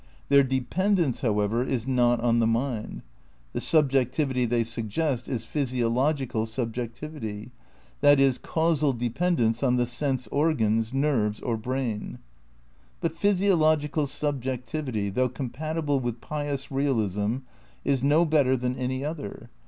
Their dependence, however, is not on the mind. The sub jectivity they suggest is "physiological subjectivity, i. e. causal dependence on the sense organs, nerves or brain." But physiological subjectivity, though compatible with pious realism, is no better than any other.